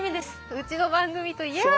うちの番組といえば。